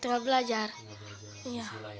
tinggal belajar ya